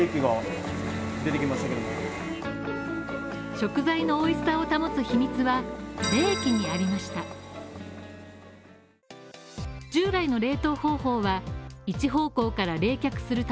食材の美味しさを保つ秘密は冷気にありました。